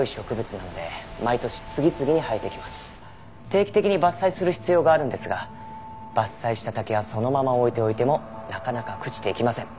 定期的に伐採する必要があるんですが伐採した竹はそのまま置いておいてもなかなか朽ちていきません。